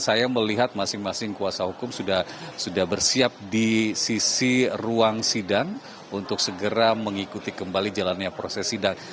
saya melihat masing masing kuasa hukum sudah bersiap di sisi ruang sidang untuk segera mengikuti kembali jalannya proses sidang